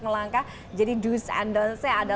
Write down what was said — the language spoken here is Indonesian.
melangkah jadi do s and don ts nya ada